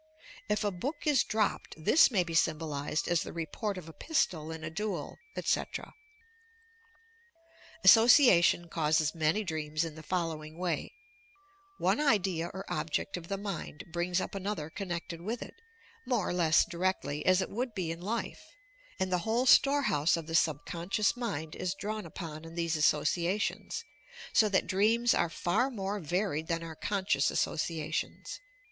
If a book is dropped, this may be symbolized as the report of a pistol in a duel, etc. Association causes many dreams in the following way: One idea or object of the mind brings up another con nected with it, more or less directly, as it would be in life, and the whole storehouse of the subconscious mind is drawn upon in these associations, so that dreams are far more varied than our conscious associations.